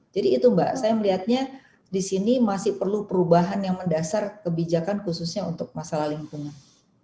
jadi itu mbak saya melihatnya di sini masih perlu perubahan yang mendasar kebijakan khususnya untuk masalah lingkungan